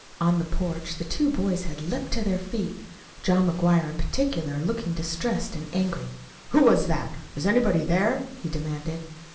On the porch the two boys had leaped to their feet, John McGuire, in particular, looking distressed and angry. "Who was that? Is anybody there?" he demanded.